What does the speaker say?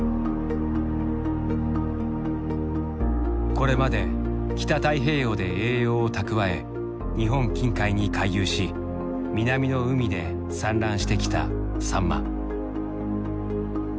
これまで北太平洋で栄養を蓄え日本近海に回遊し南の海で産卵してきたサンマ。